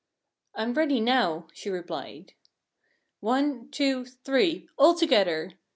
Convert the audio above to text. "I'm ready now," she replied. "One, two, three all together!"